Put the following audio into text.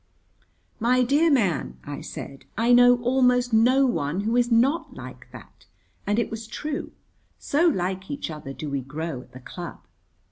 "My dear man," I said, "I know almost no one who is not like that," and it was true, so like each other do we grow at the club.